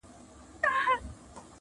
• تر پخوا به يې په لوړ اواز خوركى سو -